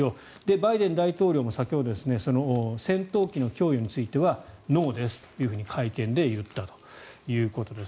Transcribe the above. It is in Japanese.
バイデン大統領も先ほど戦闘機の供与についてはノーですと会見で言ったということです。